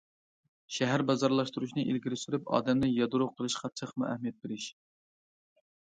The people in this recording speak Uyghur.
شەھەر بازارلاشتۇرۇشنى ئىلگىرى سۈرۈپ، ئادەمنى يادرو قىلىشقا تېخىمۇ ئەھمىيەت بېرىش.